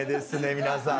皆さん。